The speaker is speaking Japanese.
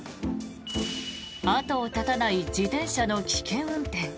あとを絶たない自転車の危険運転。